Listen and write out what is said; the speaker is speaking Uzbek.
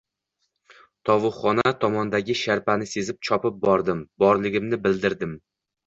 Tovuqxona tomondagi sharpani sezib chopib bordim, borligimni bildirdim